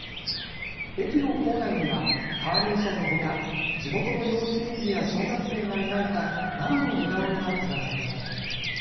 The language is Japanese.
駅の構内にはカーネーションのほか地元の幼稚園児や小学生が描いたママの似顔絵が飾られています。